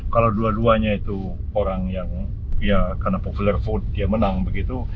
kalau dua duanya itu orang yang ya karena popular vote dia menang begitu